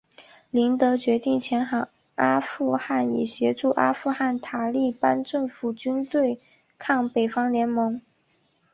林德决定前往阿富汗以协助阿富汗塔利班政府军对抗北方联盟。